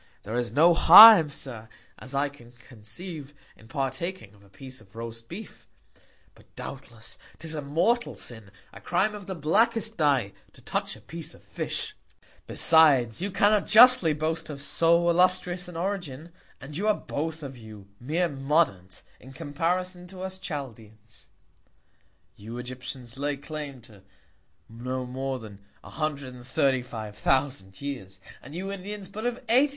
There is no Harm, Sir, as I can conceive, in partaking of a Piece of roast Beef; but, doubtless, 'tis a mortal Sin, a Crime of the blackest Dye, to touch a Piece of Fish. Besides, you cannot justly boast of so illustrious an Origin, and you are both of you mere Moderns, in Comparison to us Chaldeans, You Egyptians lay claim to no more than 135,000 Years, and you Indians, but of 80,000.